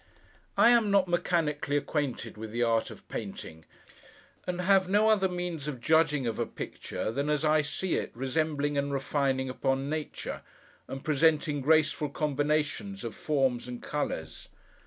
I am not mechanically acquainted with the art of painting, and have no other means of judging of a picture than as I see it resembling and refining upon nature, and presenting graceful combinations of forms and colours.